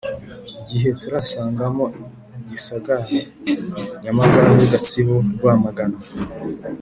gihe turasangamo gisagara nyamagabe gatsibo rwamagana